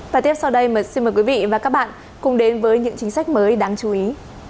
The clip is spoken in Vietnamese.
và tiếp sau đây mời xin mời quý vị và các bạn cùng đến với những chính sách mới đáng chú ý